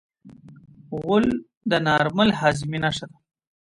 غول د نارمل هاضمې نښه ده.